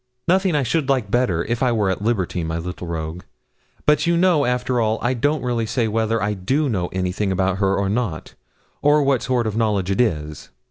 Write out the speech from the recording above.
'Nothing I should like better, if I were at liberty, little rogue; but you know, after all, I don't really say whether I do know anything about her or not, or what sort of knowledge it is.